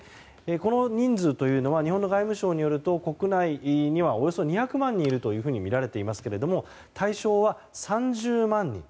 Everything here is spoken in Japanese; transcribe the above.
この人数というのは日本の外務省によると国内にはおよそ２００万人いるとみられていますけれども対象は３０万人。